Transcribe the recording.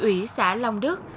ủy xã long đức